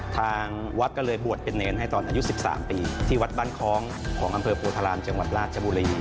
ทางวัดก็เลยบวชเป็นเนรให้ตอนอายุ๑๓ปีที่วัดบ้านคล้องของอำเภอโพธารามจังหวัดราชบุรี